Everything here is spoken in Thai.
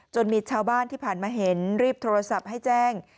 มีชาวบ้านที่ผ่านมาเห็นรีบโทรศัพท์ให้แจ้ง